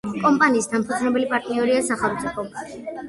კომპანიის დამფუძნებელი პარტნიორია სახელმწიფო.